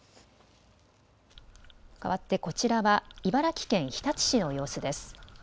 かわってこちらは茨城県日立市の様子です。